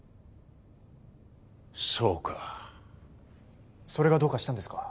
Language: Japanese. そうかそれがどうかしたんですか？